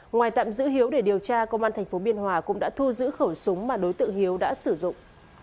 ngoài tạm giữ hiếu để điều tra công an tp biên hòa cũng đã thu giữ khẩu súng mà đối tượng hiếu đã sử dụng